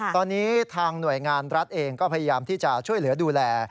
ตอนนี้ทางหน่วยงานรัฐเองก็พยายามที่จะช่วยเหลือดูแล